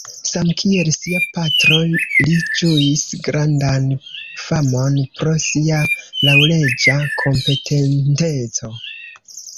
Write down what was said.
Samkiel sia patro, li ĝuis grandan famon pro sia laŭleĝa kompetenteco.